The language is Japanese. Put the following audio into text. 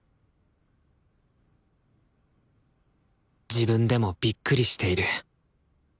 自分でもびっくりしている。